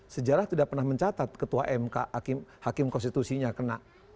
sejarah tidak pernah mencatat ketua mk hakim konstitusinya kena